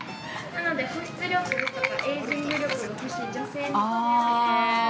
◆なので保湿力とか、エイジング力の欲しい女性に。